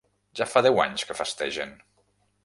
Ja fa deu anys que festegen.